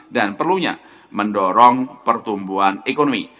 dan perlunya mendorong pertumbuhan ekonomi